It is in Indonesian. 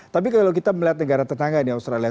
tapi kalau kita melihat negara tetangga nih australia